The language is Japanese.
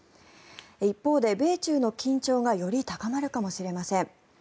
一方で米中の緊張がより高まるかもしれません。